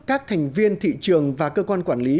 các thành viên thị trường và cơ quan quản lý